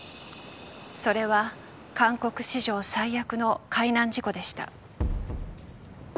それは韓国史上最悪の海難事故でした。